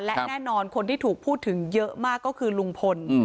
และแน่นอนคนที่ถูกพูดถึงเยอะมากก็คือลุงพล